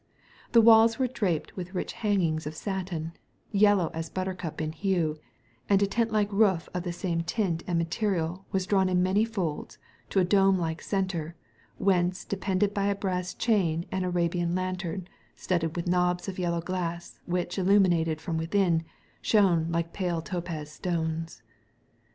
The walls were draped with rich hangings of satin, yellow as a buttercup in hue, and a tent like roof of the same tint and material was drawn in many folds to a dome like centre, whence depended by a brass chain an Arabian lantern studded with knobs of yellow glass, which, illuminated from within, shone like pale topaz stones.